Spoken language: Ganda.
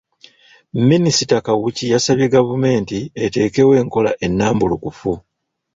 Minisita Kawuki yasabye gavumenti eteekewo enkola ennambulukufu